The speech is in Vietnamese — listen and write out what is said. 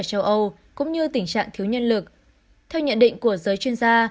châu âu cũng như tình trạng thiếu nhân lực theo nhận định của giới chuyên gia